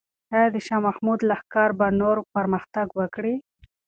آیا د شاه محمود لښکر به نور پرمختګ وکړي؟